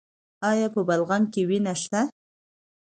ایا په بلغم کې وینه شته؟